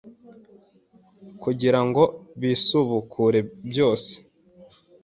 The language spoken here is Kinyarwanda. kugira ngo bisubukure byose